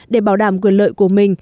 để bảo đảm quyền lợi của mình